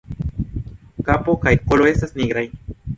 Kapo kaj kolo estas nigraj.